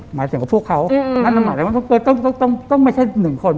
หมายถึงว่าพวกเขานั่นหมายถึงว่าต้องไม่ใช่๑คน